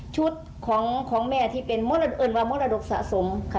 ชุดของแม่ที่เป็นเอิญวามรดกสะสมค่ะ